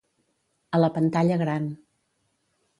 A la pantalla gran.